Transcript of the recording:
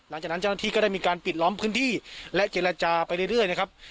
เจ้าหน้าที่ก็ได้มีการปิดล้อมพื้นที่และเจรจาไปเรื่อยนะครับ